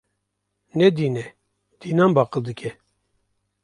Ne dîn e, dînan baqil dike.